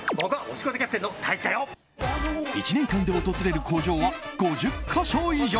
１年間で訪れる工場は５０か所以上。